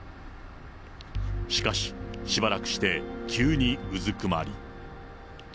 しかし、しばらくして急にうずくまり。